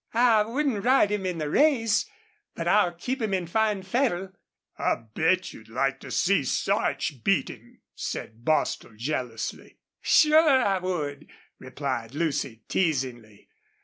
"I wouldn't ride him in the race. But I'll keep him in fine fettle." "I'll bet you'd like to see Sarch beat him," said Bostil, jealously. "Sure I would," replied Lucy, teasingly.